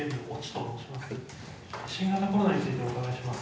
新型コロナについてお伺いします。